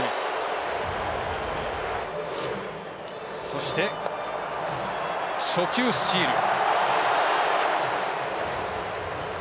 そして、初球スチール。